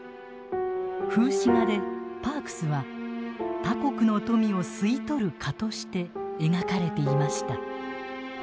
風刺画でパークスは他国の富を吸い取る蚊として描かれていました。